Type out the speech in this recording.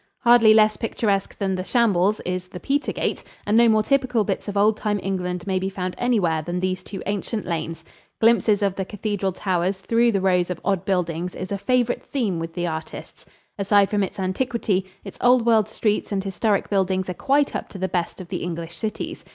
Hardly less picturesque than The Shambles is the Petergate, and no more typical bits of old time England may be found anywhere than these two ancient lanes. Glimpses of the cathedral towers through the rows of odd buildings is a favorite theme with the artists. Aside from its antiquity, its old world streets and historic buildings are quite up to the best of the English cities.